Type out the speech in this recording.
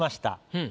うん。